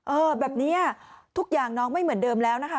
เออแบบนี้ทุกอย่างน้องไม่เหมือนเดิมแล้วนะคะ